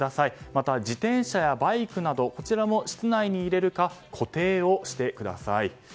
また自転車やバイクなどこちらも室内に入れるか固定をしてください。